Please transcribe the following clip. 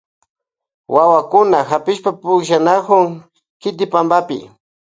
Wawakuna hapishpa pukllanakun kiki pampapi.